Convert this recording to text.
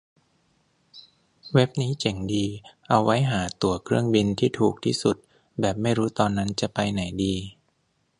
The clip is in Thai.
เว็บนี้เจ๋งดี เอาไว้หาตั๋วเครื่องบินที่ถูกที่สุดแบบไม่รู้ตอนนั้นจะไปไหนดี